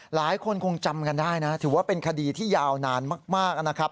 หลายคนคงจำกันได้นะถือว่าเป็นคดีที่ยาวนานมากนะครับ